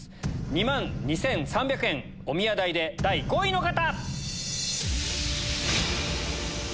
２万２３００円おみや代で第５位の方！